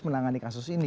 menangani kasus ini